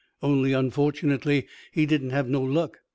Only, unfortunately, he didn't have no luck.